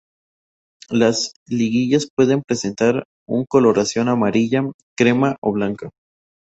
Las lígulas pueden presentar un coloración amarilla, crema o blanca.